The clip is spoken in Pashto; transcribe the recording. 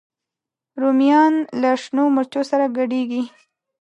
رومیان له شنو مرچو سره ګډېږي